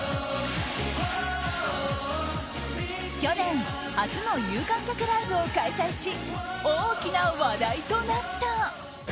去年、初の有観客ライブを開催し大きな話題となった。